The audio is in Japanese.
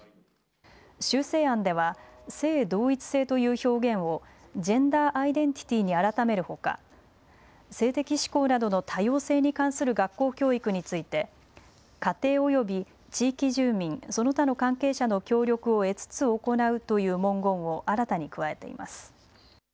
修正案では性同一性という表現をジェンダーアイデンティティに改めるほか性的指向などの多様性に関する学校教育について家庭および地域住民その他の関係者の協力を得つつ行うという文言を新たに加えています。